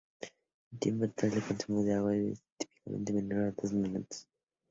El tiempo total de consumo de agua es típicamente menor a dos minutos.